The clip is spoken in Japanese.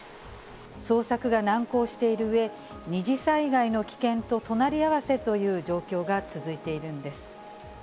捜索が難航しているうえ、二次災害の危険と隣り合わせという状況が続いているんです。